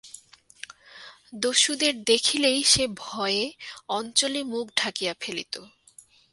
দস্যুদের দেখিলেই সে ভয়ে অঞ্চলে মুখ ঢাকিয়া ফেলিত।